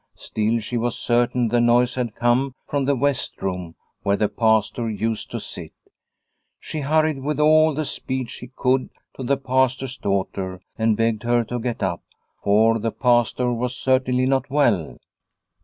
Still she was certain the noise had come from the west room where the Pastor used to sit. She hurried with all the speed she could to the Pastor's daughter and begged her to get up, for the Pastor was certainly not well.